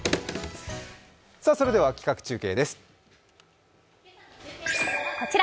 それでは企画中継です。